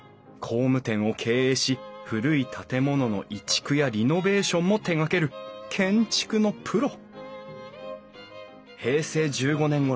工務店を経営し古い建物の移築やリノベーションも手がける建築のプロ。